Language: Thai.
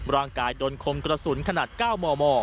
ร่างกายโดนคมกระสุนขนาด๙มม